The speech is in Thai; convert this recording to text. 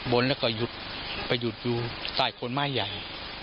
บนแล้วก็ไปหยุดยู่ตายคนม่ายใหญ่